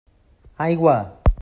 Aigua!